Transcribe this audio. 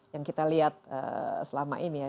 yang kita lihat selama ini ya